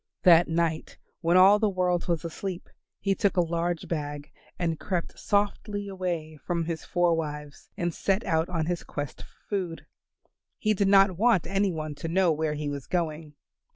That night when all the world was asleep he took a large bag, and crept softly away from his four wives and set out on his quest for food. He did not want any one to know where he was going.